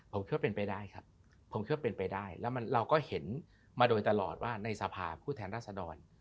ผมคิดว่าเป็นไปได้ครับผมคิดว่าเป็นไปได้แล้วเราก็เห็นมาโดยตลอดว่าในสภาพผู้แทนราษดร